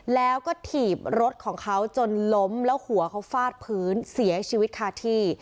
แล้วก็ถีบรถของเขาจนล้มแล้วหัวเขาฟาดพื้นเสียชีวิตคาที่